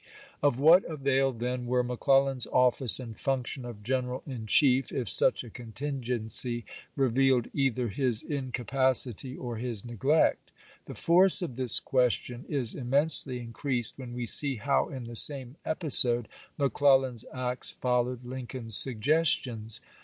Of what avail then were McClellan's office and function of general in chief if such a contingency revealed either his incapacity or his neglect ? The force of this question is immensely increased when we see how in the same episode McClellan's acts followed Lincoln's suggestions.